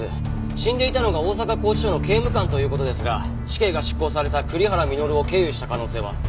死んでいたのが大阪拘置所の刑務官という事ですが死刑が執行された栗原稔を経由した可能性は？